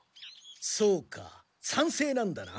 そうかさんせいなんだな。